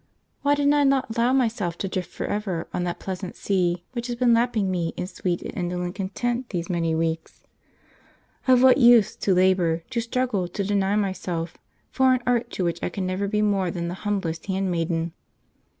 Why did I not allow myself to drift for ever on that pleasant sea which has been lapping me in sweet and indolent content these many weeks? Of what use to labour, to struggle, to deny myself, for an art to which I can never be more than the humblest handmaiden?